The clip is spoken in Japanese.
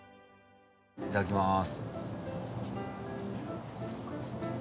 いただきます。